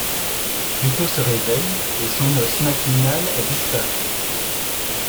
Pluto se réveille et son os matinal a disparu...